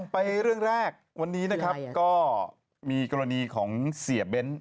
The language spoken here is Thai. ไปเรื่องแรกวันนี้ก็มีกรณีของเสียเบนท์